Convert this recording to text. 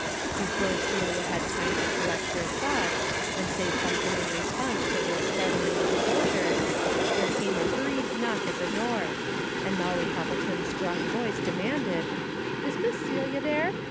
Before Celia had time to collect her thoughts, and say something in response to this startling disclosure, there came a hurried knock at the door, and Molly Poppleton's strong voice de manded, " Is Miss Celia there